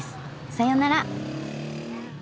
さよなら。